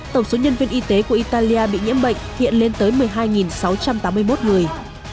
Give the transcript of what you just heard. tổng số nhân viên y tế của italia bị nhiễm bệnh hiện lên tới một mươi hai sáu trăm tám mươi một người